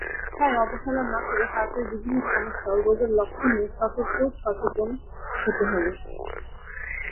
তাই অবহেলা না করে হার্টের বিভিন্ন সমস্যা ও রোগের লক্ষণ নিয়ে সতর্ক ও সচেতন হতে হবে।